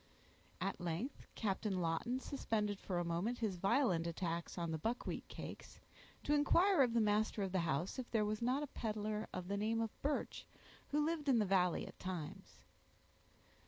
At length Captain Lawton suspended for a moment his violent attacks on the buckwheat cakes, to inquire of the master of the house, if there was not a peddler of the name of Birch who lived in the valley at times.